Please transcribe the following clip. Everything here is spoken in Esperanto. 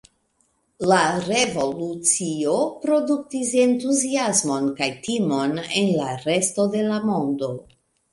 La revolucio produktis entuziasmon kaj timon en la resto de la mondo.